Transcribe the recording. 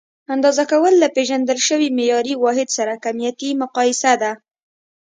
اندازه کول له پیژندل شوي معیاري واحد سره کمیتي مقایسه ده.